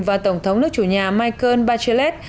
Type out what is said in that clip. và tổng thống nước chủ nhà michael bachelet